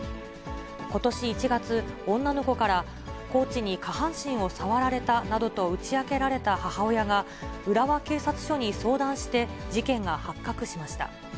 ことし１月、女の子からコーチに下半身を触られたなどと打ち明けられた母親が、浦和警察署に相談して、事件が発覚しました。